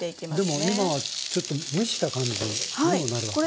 でも今はちょっと蒸した感じにもなるわけですね。